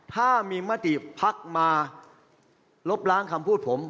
ถ้ามีมติภักดิ์มาลบล้างคำพูดผม